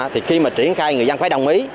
thì khi mà triển khai người dân phải đồng ý